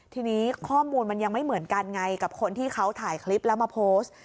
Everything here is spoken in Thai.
ทีนี้ข้อมูลมันยังไม่เหมือนกันไงกับคนที่เขาถ่ายคลิปแล้วมาโพสต์